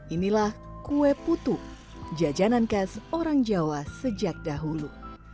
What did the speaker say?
inilah kue putu jajanan khas orang jawa sejak dahulu